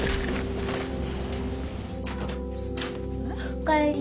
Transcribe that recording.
お帰り。